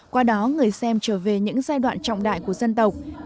qua đó người xem trở về những giai đoạn trọng đại của dân tộc